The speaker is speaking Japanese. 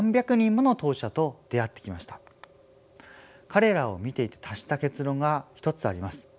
彼らを見ていて達した結論が１つあります。